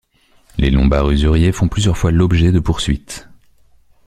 Les Lombards usuriers font plusieurs fois l'objet de poursuites.